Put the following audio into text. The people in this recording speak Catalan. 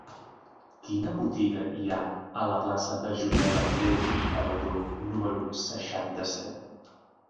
Quina botiga hi ha a la plaça de Josep Andreu i Abelló número seixanta-set?